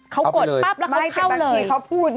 เขากดปั๊บแล้วเขาเข้าเลยไม่แต่บางทีเขาพูดเนี่ย